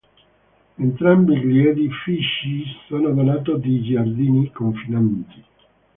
Entrambi gli edifici sono dotato di giardini, confinanti.